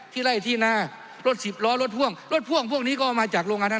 ไล่ที่หน้ารถสิบล้อรถพ่วงรถพ่วงพวกนี้ก็มาจากโรงงานนั้น